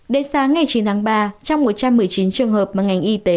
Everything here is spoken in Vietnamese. đến sáng ngày chín tháng ba trong một trăm một mươi chín trường hợp mà ngành y tế